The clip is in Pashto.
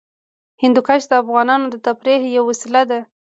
هندوکش د افغانانو د تفریح یوه وسیله ده.